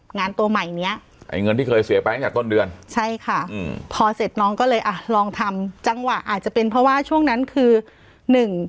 งานตัวใหม่เนี่ยใช่ค่ะพอเสร็จน้องก็เลยลองทำจังหวะอาจจะเป็นเพราะว่าช่วงนั้นคือ